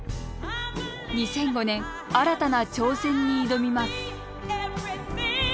２００５年新たな挑戦に挑みます。